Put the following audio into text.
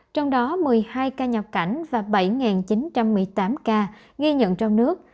trong đó một mươi hai ca nhập cảnh và bảy chín trăm một mươi tám ca ghi nhận trong nước